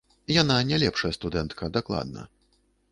Яна не лепшая студэнтка, дакладна.